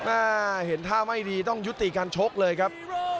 อ่าเห็นท่าไม่ดีต้องยุติการชกเลยครับ